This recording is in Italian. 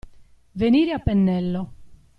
Venire a pennello.